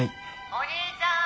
お兄ちゃーん！